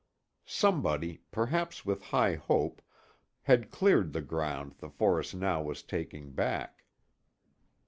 Somebody, perhaps with high hope, had cleared the ground the forest now was taking back.